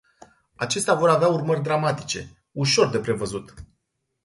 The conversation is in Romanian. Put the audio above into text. Acestea vor avea urmări dramatice, ușor de prevăzut.